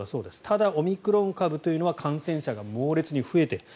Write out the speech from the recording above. ただ、オミクロン株というのは感染者が猛烈に増えている。